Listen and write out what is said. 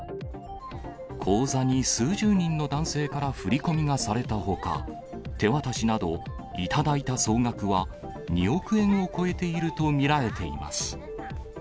口座に数十人の男性から振り込みがされたほか、手渡しなど頂いた総額は、２億円を超えていると見られています。